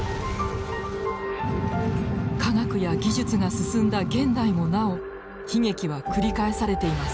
科学や技術が進んだ現代もなお悲劇は繰り返されています。